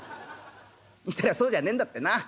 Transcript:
したらそうじゃねえんだってな。